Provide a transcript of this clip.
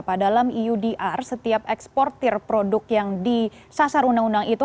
pak dalam eudr setiap eksportir produk yang disasar undang undang itu